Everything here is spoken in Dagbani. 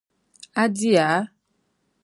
A diya?